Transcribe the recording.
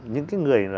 những cái người